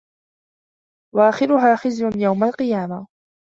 وَآخِرُهَا خِزْيٌ يَوْمَ الْقِيَامَةِ